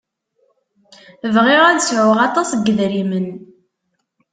Bɣiɣ ad sɛuɣ aṭas n yedrimen.